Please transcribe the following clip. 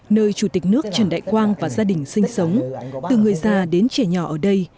nơi chủ tịch nước trần đại quang và gia đình sinh sống từ người già đến trẻ nhỏ ở đây